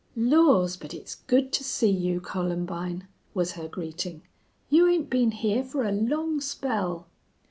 "Laws, but it's good to see you, Columbine," was her greeting. "You 'ain't been here for a long spell."